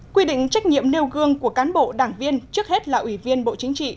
quy định trách nhiệm nêu gương của cán bộ đảng viên trước hết là ủy viên bộ chính trị